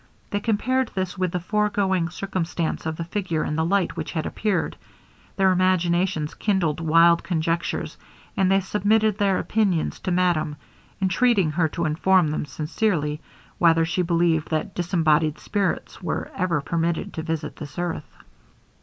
They compared this with the foregoing circumstance of the figure and the light which had appeared; their imaginations kindled wild conjectures, and they submitted their opinions to madame, entreating her to inform them sincerely, whether she believed that disembodied spirits were ever permitted to visit this earth.